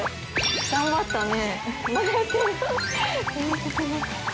頑張ったね。